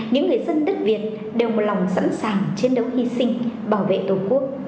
những người dân đất việt đều một lòng sẵn sàng chiến đấu hy sinh bảo vệ tổ quốc